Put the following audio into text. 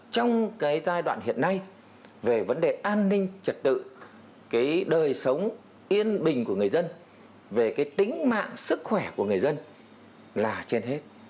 trong cái giai đoạn hiện nay về vấn đề an ninh trật tự cái đời sống yên bình của người dân về cái tính mạng sức khỏe của người dân là trên hết